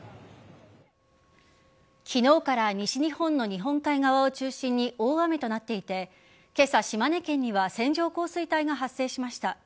昨日から西日本の日本海側を中心に大雨となっていて今朝、島根県には線状降水帯が発生しました。